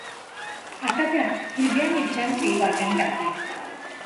आता त्यात हिरव्या मिरच्यांचे वाटण टाका.